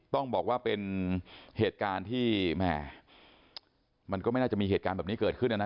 ต้องบอกว่าเป็นเหตุการณ์ที่แหม่มันก็ไม่น่าจะมีเหตุการณ์แบบนี้เกิดขึ้นนะนะ